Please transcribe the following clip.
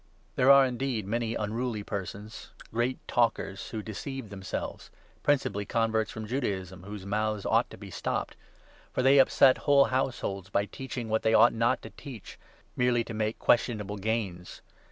There are, indeed, many unruly persons — great 10 On Dealing talkers who deceive themselves, principally con 'reacners8 verts from Judaism, whose mouths ought to be n stopped ; for they upset whole households by teaching what they ought not to teach, merely to make questionable gains.